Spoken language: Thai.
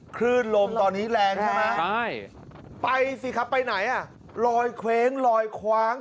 คลื่นลมตอนนี้แรงใช่ไหมใช่ไปสิครับไปไหนอ่ะลอยเคว้งลอยคว้าง